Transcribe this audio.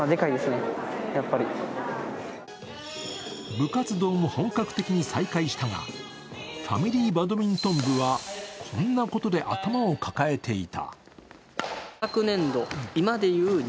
部活動も本格的に再開したが、ファミリーバドミントン部はこんなことで頭を抱えていた。